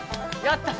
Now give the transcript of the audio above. やった！